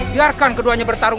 biarkan keduanya bertarung